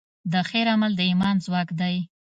د خیر عمل د ایمان ځواک دی.